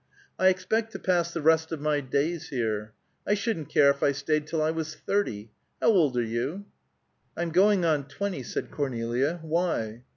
I expect to pass the rest of my days here. I shouldn't care if I stayed till I was thirty. How old are you?" "I'm going on twenty," said Cornelia. "Why?"